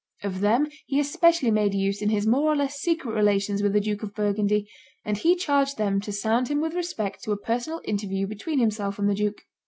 Of them he especially made use in his more or less secret relations with the Duke of Burgundy; and he charged them to sound him with respect to a personal interview between himself and the duke.